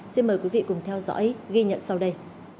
xin mời quý vị cùng theo dõi ghi nhận sau đây